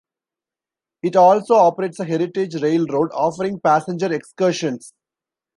It also operates a heritage railroad, offering passenger excursions.